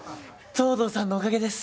藤堂さんのおかげです。